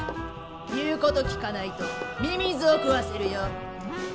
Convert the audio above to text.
言うこと聞かないとミミズを食わせるよ。